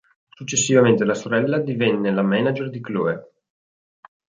Successivamente la sorella divenne la manager di Chloe.